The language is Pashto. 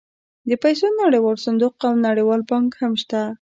د پیسو نړیوال صندوق او نړیوال بانک هم شته